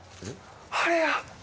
あれや！